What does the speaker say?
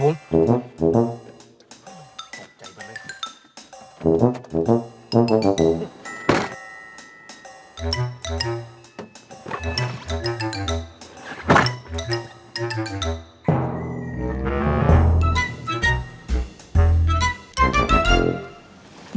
โอ้โฮไม่ต้องกว้างไม่ต้องกว้างไม่ต้องกว้าง